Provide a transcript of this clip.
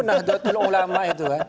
nahdlatul ulama itu ya